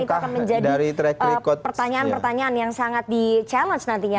karena itu akan menjadi pertanyaan pertanyaan yang sangat di challenge nantinya